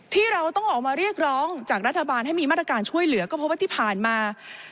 ที่เราต้องออกมาเรียกร้องจากรัฐบาลให้มีมาตรการช่วยเหลือก็เพราะว่าที่ผ่านมา